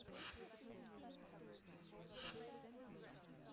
Waw'elola mka ughokie.